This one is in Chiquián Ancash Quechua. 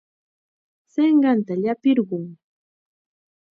Sinqanta llapirqun.